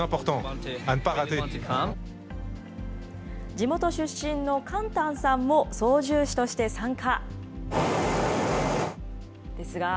地元出身のカンタンさんも操縦士として参加。